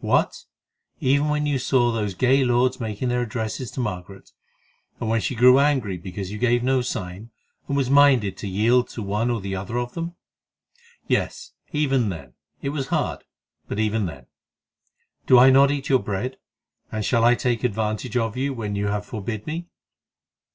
"What! Even when you saw those gay lords making their addresses to Margaret, and when she grew angry because you gave no sign, and was minded to yield to one or the other of them?" "Yes, even then—it was hard, but even then. Do I not eat your bread? and shall I take advantage of you when you have forbid me?"